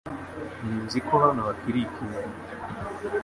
Nzi ko hano hari ikintu .